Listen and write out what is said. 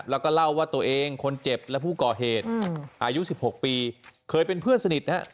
แล้วก็เล่าว่าตัวเองคนเจ็บและผู้ก่อเหตุอายุ๑๖ปีเคยเป็นเพื่อนสนิทนะฮะ